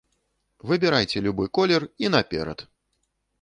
Выбірайце любы колер і наперад!